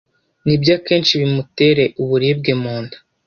nibyo akenshi bimutere uburibwe mu nda